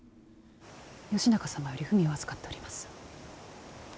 義仲様より文を預かっております。